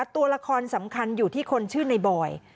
ตัวละครสำคัญอยู่ที่คนชื่อในบอย